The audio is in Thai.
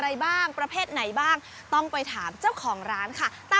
กับการเปิดลอกจินตนาการของเพื่อนเล่นวัยเด็กของพวกเราอย่างโลกของตุ๊กตา